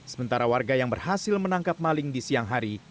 sementara warga yang berhasil menangkap maling di siang hari